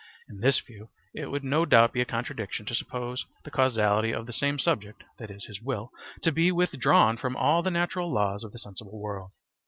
In this view it would no doubt be a contradiction to suppose the causality of the same subject (that is, his will) to be withdrawn from all the natural laws of the sensible world.